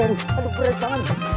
aduh berat banget